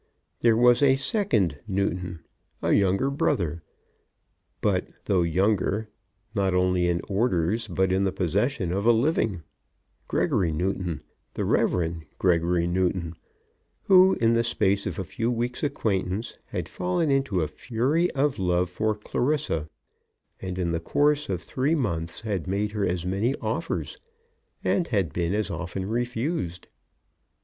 There was a second Newton, a younger brother, but, though younger, not only in orders but in the possession of a living, Gregory Newton, the Rev. Gregory Newton, who in the space of a few weeks' acquaintance had fallen into a fury of love for Clarissa, and in the course of three months had made her as many offers, and had been as often refused.